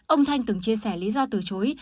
ông thanh từng chia sẻ lý do từ chối